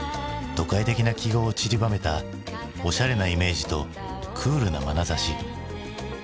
都会的な記号を散りばめたおしゃれなイメージとクールなまなざし。